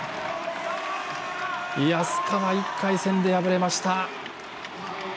安川、１回戦で敗れました。